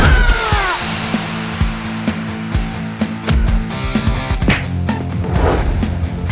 siapa tuh jack